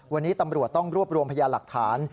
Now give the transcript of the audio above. วันนี้ตำรวจต้องรวบรวมพยานหลักฐาน